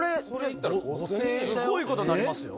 すごいことになりますよ。